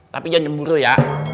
tapi jangan jemburu ya